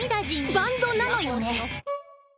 バンドなのよね？